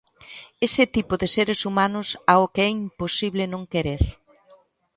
Ese tipo de seres humanos ao que é imposible non querer.